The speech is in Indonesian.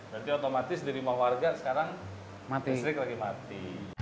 berarti otomatis dari lima warga sekarang listrik lagi mati